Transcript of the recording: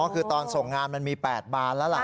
คือตอนส่งงานมันมี๘บานแล้วล่ะ